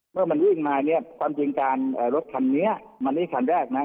เมื่อมันวิ่งมาเนี่ยความจริงการรถคันนี้มันนี่คันแรกนะ